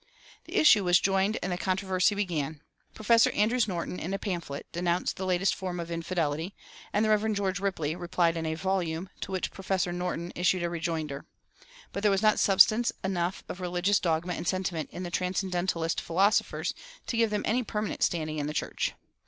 The issue was joined and the controversy began. Professor Andrews Norton in a pamphlet denounced "the latest form of infidelity," and the Rev. George Ripley replied in a volume, to which Professor Norton issued a rejoinder. But there was not substance enough of religious dogma and sentiment in the transcendentalist philosophers to give them any permanent standing in the church.